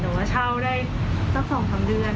แต่ว่าเช่าได้สัก๒๓เดือน